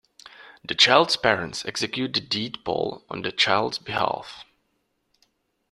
The child's parents execute the deed poll on the child's behalf.